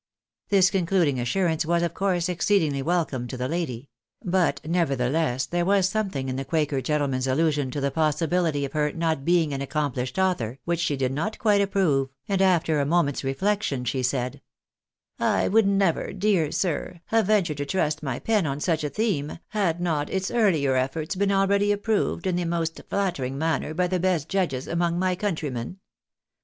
This concluding assurance was, of course, exceedingly welcome to the lady ; but, nevertheless, there was something in the quaker gentleman's allusion to the possibility of her not being an ac complished author, which she did not quite approve ; and after a moment's reflection, she said —" I would never, dear sir, have ventured to trust my pen on such a theme, had not its earlier efforts been already approved in the most flattering manner by the best judges among my country men.